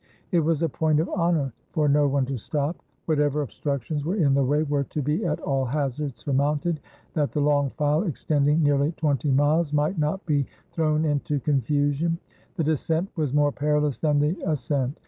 It was a point of honor for no one to stop. Whatever obstructions were in the way were to be at all hazards surmounted, that the long file, extending nearly twenty miles, might not be thrown into confu sion. The descent was more perilous than the ascent.